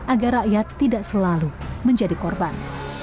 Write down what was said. agar rakyat tidak selalu menjadi korban